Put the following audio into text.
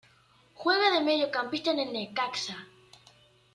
Juega de Mediocampista en el Necaxa.